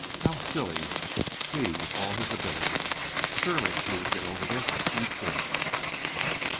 How silly he with all his ability! Surely he would get over this, and soon.